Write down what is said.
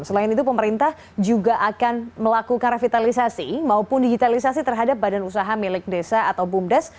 selain itu pemerintah juga akan melakukan revitalisasi maupun digitalisasi terhadap badan usaha milik desa atau bumdes